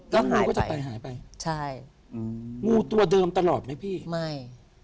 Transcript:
ก็หายไปใช่งูตัวเดิมตลอดไหมพี่ไม่